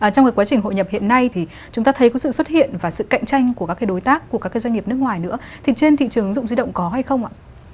trong quá trình hội nhập hiện nay thì chúng ta thấy có sự xuất hiện và sự cạnh tranh của các đối tác của các doanh nghiệp nước ngoài nữa thì trên thị trường ứng dụng di động có hay không ạ